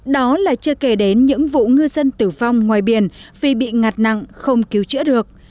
đó là chưa kể đến những vụ ngư dân tử vong ngoài biển vì bị ngặt nặng không cứu chữa được